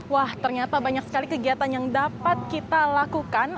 wah ternyata banyak sekali kegiatan yang dapat kita lakukan